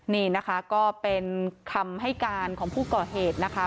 นี่นะคะก็เป็นคำให้การของผู้ก่อเหตุนะคะ